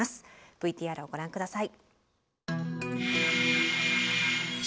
ＶＴＲをご覧下さい。